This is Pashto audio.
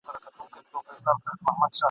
بیا ډېوې در څخه غواړم د کیږدۍ د ماښامونو !.